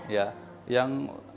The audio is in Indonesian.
ya yang agak sulit